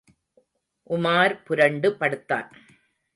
உமார் புரண்டு படுத்தான்.